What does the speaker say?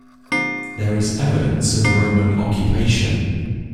There is evidence of Roman occupation.